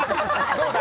どうだ？